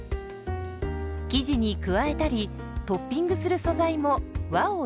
生地に加えたりトッピングする素材も和を意識。